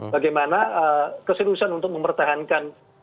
bagaimana keseluruhan untuk mempertahankan